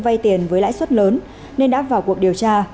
vay tiền với lãi suất lớn nên đã vào cuộc điều tra